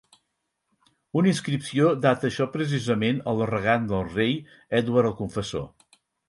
Una inscripció data això precisament al regant del Rei Edward el Confessor.